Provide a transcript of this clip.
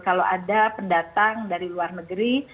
kalau ada pendatang dari luar negeri